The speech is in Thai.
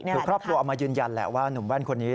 คือครอบครัวเอามายืนยันแหละว่าหนุ่มแว่นคนนี้